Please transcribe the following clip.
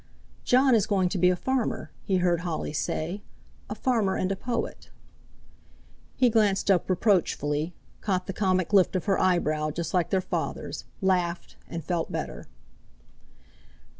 "Jon is going to be a farmer," he heard Holly say; "a farmer and a poet." He glanced up reproachfully, caught the comic lift of her eyebrow just like their father's, laughed, and felt better.